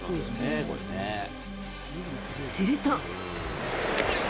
すると。